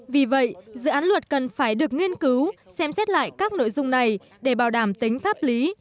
vì vậy dự án luật cần phải được nghiên cứu xem xét lại các nội dung này để bảo đảm tính pháp lý